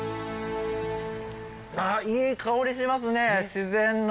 あいい香りしますね自然の。